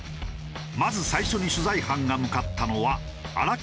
まず最初に取材班が向かったのは。